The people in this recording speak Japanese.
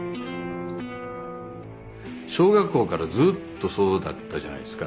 小学校からずっとそうだったじゃないですか。